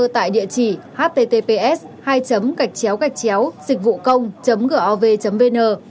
tại địa chỉ https hai cạch chéo cạch chéo dịch vụ công gov vn